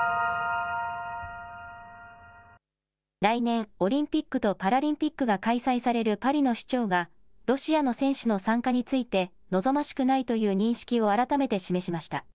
来年、オリンピックとパラリンピックが開催されるパリの市長がロシアの選手の参加について、望ましくないという認識を改めて示しました。